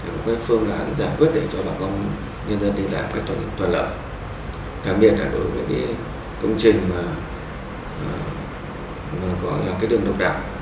một phương án giải quyết để cho bà con nhân dân đi làm các tổn lợi đặc biệt là đối với công trình mà có đường độc đạo